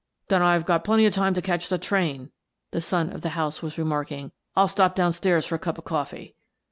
" Then I've got plenty of time to catch the train," the son of the house was remarking. "I'll stop down stairs for a cup of coffee."